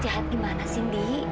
jahat gimana sih ndi